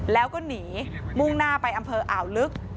แล้วก็หนีมุ่งหน้าไปอำเภออ่าวลึก